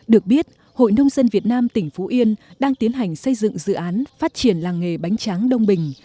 được biết hội nông dân việt nam tỉnh phú yên đang tiến hành xây dựng dự án phát triển làng nghề bánh tráng đông bình